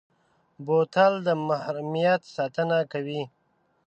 بوتل د محرمیت ساتنه کوي.